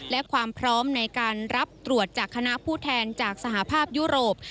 และความพร้อมในการรับตรวจจากคณะผู้แทนจากสหภาพยุโรป